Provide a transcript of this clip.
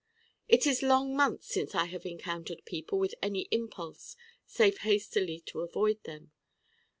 It is long months since I have encountered people with any impulse save hastily to avoid them.